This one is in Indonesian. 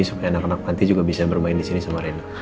supaya anak anak panti juga bisa bermain di sini sama rena